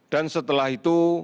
dan setelah itu